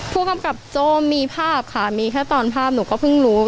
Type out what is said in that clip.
ผู้กำกับโจ้มีภาพค่ะมีแค่ตอนภาพหนูก็เพิ่งรู้